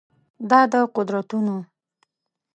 دا د قدرتونو